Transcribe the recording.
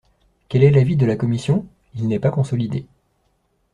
Quel est l’avis de la commission ? Il n’est pas consolidé.